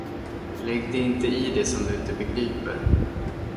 Lägg dig inte i det, som du inte begriper!